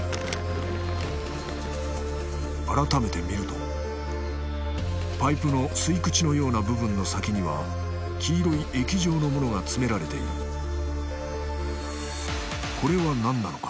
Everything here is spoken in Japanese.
改めて見るとパイプの吸い口のような部分の先には黄色い液状のものが詰められているこれは何なのか？